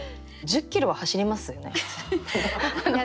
１０キロは走りますよね普通に。